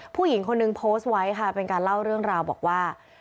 ผู้หญิงคนนึงโพสต์ไว้ค่ะเป็นการเล่าเรื่องราวบอกว่า